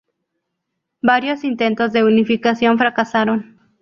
Varios intentos de unificación fracasaron.